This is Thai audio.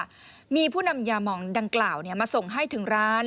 ว่ามีผู้นำยามองดังกล่าวมาส่งให้ถึงร้าน